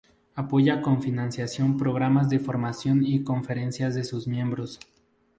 Apoya con financiación programas de formación y conferencias de sus miembros.